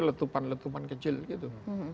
letupan letupan kecil gitu